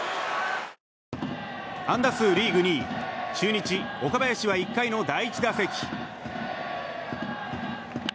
安打数リーグ２位中日、岡林は１回の第１打席。